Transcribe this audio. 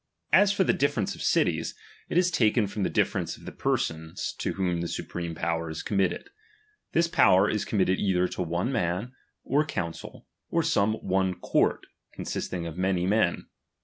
As for the difference of cities, it is ch. taken from the diiference of the persons to whom ''~ the supreme power is committed. This power is creej, mid committed either to one man, or council, or some "'' one court consisting of many men.